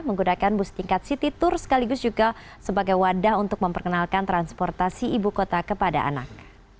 menggunakan bus tingkat city tour sekaligus juga sebagai wadah untuk memperkenalkan transportasi ibu kota kepada anak